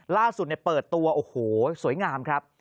ล่าสุดเปิดตัวโอ้โหสวยงามครับ